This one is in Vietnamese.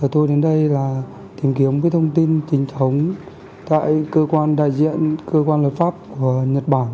tôi đến đây là tìm kiếm thông tin chính thống tại cơ quan đại diện cơ quan lập pháp của nhật bản